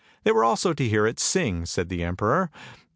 They were also to hear it sing, said the emperor.